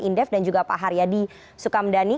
indef dan juga pak haryadi sukamdhani